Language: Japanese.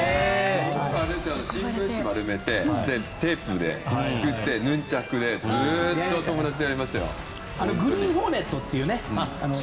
よく新聞紙丸めてテープでとめてヌンチャクでずっと友達とやりましたよ。